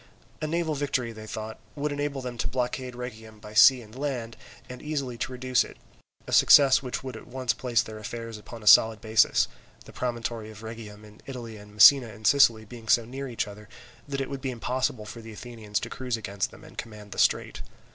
A naval victory, they thought, would enable them to blockade Rhegium by sea and land, and easily to reduce it; a success which would at once place their affairs upon a solid basis, the promontory of Rhegium in Italy and Messina in Sicily being so near each other that it would be impossible for the Athenians to cruise against them and command the strait.